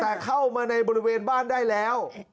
แต่เข้ามาในบริเวณบ้านได้แล้ว